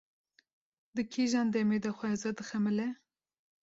Di kîjan demê de xweza dixemile?